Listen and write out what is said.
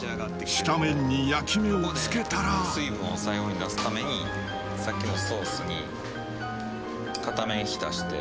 下面に焼き目をつけたら水分を最後に出すためにさっきのソースに片面浸して。